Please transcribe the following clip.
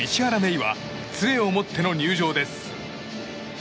依は杖を持っての入場です。